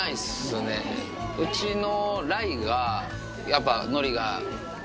うちの。